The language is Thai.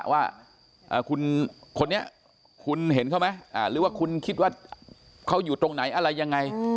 ว่าคุณคนนี้คุณเห็นเขาไหมหรือว่าคุณคิดว่าเขาอยู่ตรงไหนอะไรยังไง